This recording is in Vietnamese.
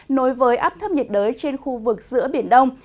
nối với áp thấp nhiệt đới trên khu vực giữa biển đông